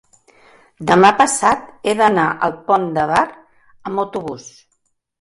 demà passat he d'anar al Pont de Bar amb autobús.